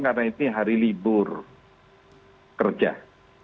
dan juga banyak yang berpondok pondok